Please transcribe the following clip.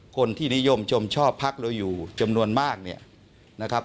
คนที่นิยมชมชอบพักเราอยู่จำนวนมากเนี่ยนะครับ